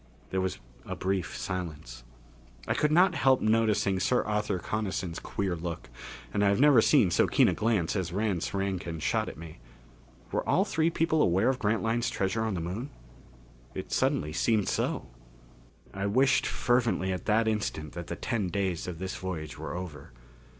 There was a brief silence. I could not help noticing Sir Arthur Coniston's queer look, and I have never seen so keen a glance as Rance Rankin shot at me. Were all three people aware of Grantline's treasure on the Moon? It suddenly seemed so. I wished fervently at that instant that the ten days of this voyage were over.